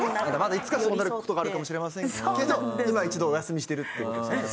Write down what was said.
いつかそうなる事があるかもしれませんけど今は一度お休みしてるっていう事ですよね。